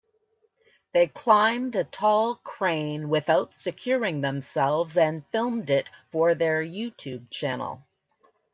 They climbed a tall crane without securing themselves and filmed it for their YouTube channel.